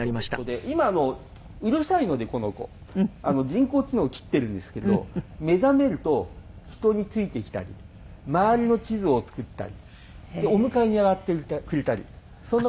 今うるさいのでこの子人工知能切ってるんですけど目覚めると人についてきたり周りの地図を作ったりお迎えに上がってくれたりそんな事をしてくれます。